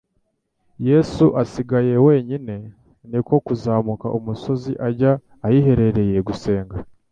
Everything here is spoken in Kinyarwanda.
Yesu asigaye wenyine "Niko kuzamuka umusozi, ajya ahiherereye gusenga".